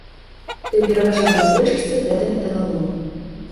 І ў пераважанай большасці гэта металалом.